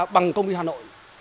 bằng công ty hà nội